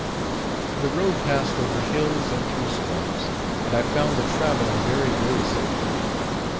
The road passed over hills and through swamps, and I found the traveling very wearisome.